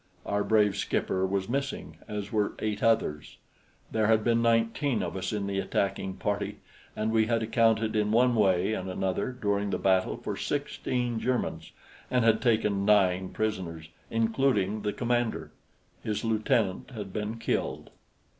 Our brave skipper was missing, as were eight others. There had been nineteen of us in the attacking party and we had accounted in one way and another during the battle for sixteen Germans and had taken nine prisoners, including the commander. His lieutenant had been killed.